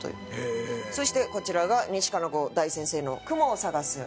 そしてこちらが西加奈子大先生の『くもをさがす』。